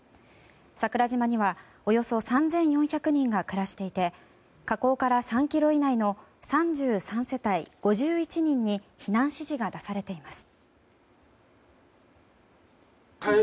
桜島にはおよそ３４００人が暮らしていて火口から３ｋｍ以内の３３世帯５１人に避難指示が出されています。